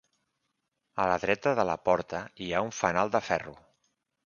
A la dreta de la porta hi ha un fanal de ferro.